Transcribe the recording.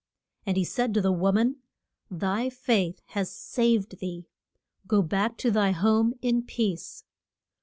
And he said to the wo man, Thy faith has saved thee; go back to thy home in peace.